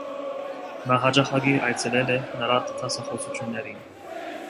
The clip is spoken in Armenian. Նա հաճախակի այցելել է նրա դասախոսություններին։